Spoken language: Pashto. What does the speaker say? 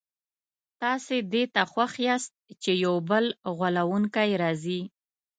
تاسي دې ته خوښ یاست چي یو بل غولونکی راځي.